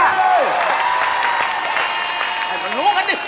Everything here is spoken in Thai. ให้มันรู้กันดิ